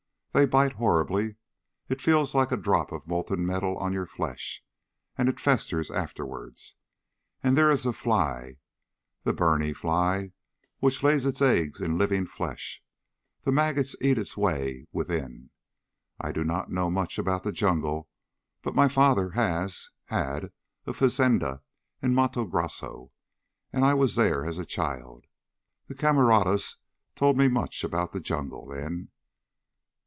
They bite horribly. It feels like a drop of molten metal on your flesh. And it festers afterwards. And there is a fly, the berni fly, which lays its eggs in living flesh. The maggot eats its way within. I do not know much about the jungle, but my father has had a fazenda in Matto Grosso and I was there as a child. The camaradas told me much about the jungle, then."